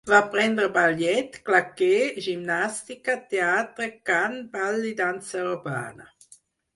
Va aprendre ballet, claqué, gimnàstica, teatre, cant, ball i dansa urbana.